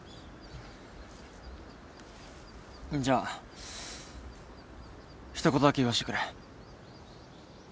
じゃあ一言だけ言わしてくれ。